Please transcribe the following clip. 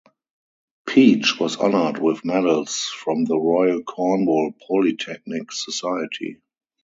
Peach was honoured with medals from the Royal Cornwall Polytechnic Society.